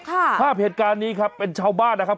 ภาพเหตุการณ์นี้ครับเป็นชาวบ้านนะครับ